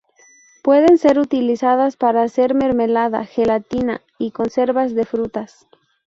Pueden ser utilizadas para hacer mermelada, gelatina, y conservas de frutas.